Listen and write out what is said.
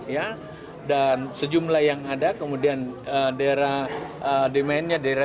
ya dan sejumlah yang ada kemudian daerah demennya daerah suplainya dan sejumlah yang ada kemudian